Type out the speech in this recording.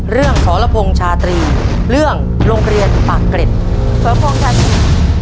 เรื่องสรพงษ์ชาตรีเรื่องโรงเรียนปากเกร็ดสรพงษ์ชาตรี